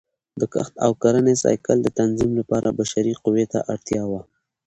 د کښت او کرنې سایکل د تنظیم لپاره بشري قوې ته اړتیا وه